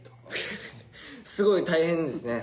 フフすごい大変ですね